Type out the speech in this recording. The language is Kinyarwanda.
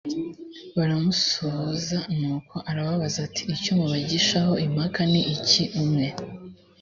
baramusuhuza nuko arababaza ati icyo mubagishaho impaka ni iki umwe